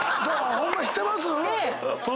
ホンマ知ってます？